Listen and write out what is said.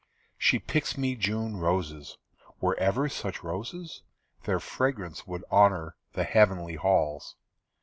She picks me June roses. Were ever such roses? Their fragrance would honor The heavenly halls.